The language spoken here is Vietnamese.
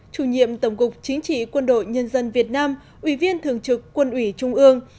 chủ nhiệm tổng cục chính trị quân đội nhân dân việt nam ủy viên thường trực quân ủy trung ương